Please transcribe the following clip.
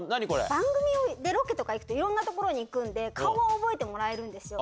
番組でロケとか行くと、いろんな所に行くんで、顔は覚えてもらえるんですよ。